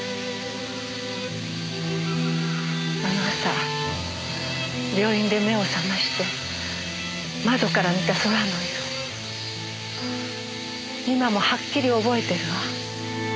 あの朝病院で目を覚まして窓から見た空の色今もはっきり覚えてるわ。